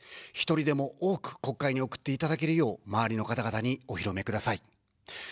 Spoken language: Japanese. １人でも多く国会に送っていただけるよう、周りの方々にお広めください。